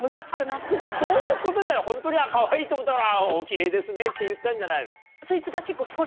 別にそういうことじゃホントにかわいいと思ったからおキレイですねって言ったんじゃないの？